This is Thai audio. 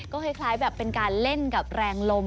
ก็เหลือคล้ายเป็นการเล่นกับแรงลม